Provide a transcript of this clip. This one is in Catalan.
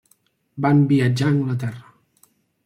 Van viatjar a Anglaterra.